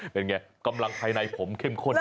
เป็นไงกำลังภายในผมเข้มข้น